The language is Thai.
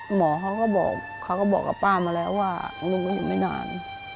หมอเขาก็บอกกับป่ามาแล้วว่าลุงยืมไม่นาน